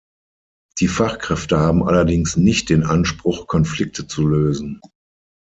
Die Fachkräfte haben allerdings nicht den Anspruch, Konflikte zu lösen.